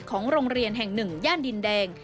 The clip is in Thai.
ของโรงเรียนแห่งหนึ่งย่านดินแดง